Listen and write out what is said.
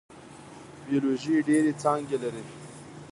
بیولوژي ډیرې څانګې لري